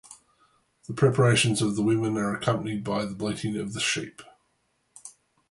The preparations of the women are accompanied by the bleating of the sheep.